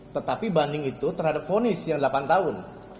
tetapi banding itu terhadap fonis yang delapan tahun